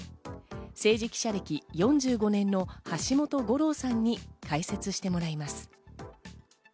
政治記者歴４５年の橋本五郎さんに解説してもらいます。